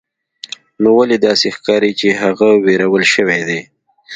نو ولې داسې ښکاري چې هغه ویرول شوی دی